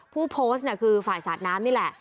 ผู้โพสต์คือฝ่ายสะอาดน้ำนี่แหละ